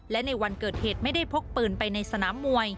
และในวันเกิดเหตุไม่ได้พกปืนไปในสนามมวย